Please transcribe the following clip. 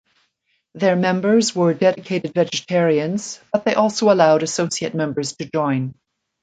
Their members were dedicated vegetarians but they also allowed associate members to join.